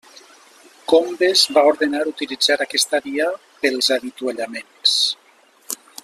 Combes va ordenar utilitzar aquesta via pels avituallaments.